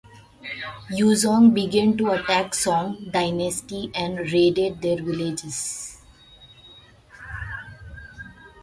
Yizong began to attack Song Dynasty and raided their villages.